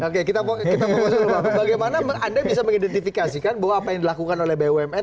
oke kita mau bagaimana anda bisa mengidentifikasikan bahwa apa yang dilakukan oleh bumn